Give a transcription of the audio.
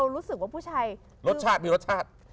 รสชาติรสชาติ